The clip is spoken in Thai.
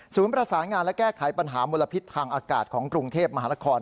ประสานงานและแก้ไขปัญหามลพิษทางอากาศของกรุงเทพมหานคร